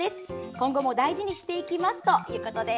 今後も大事にしていきますということです。